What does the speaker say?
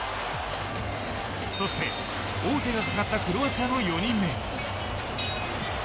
そして、王手がかかったクロアチアの４人目。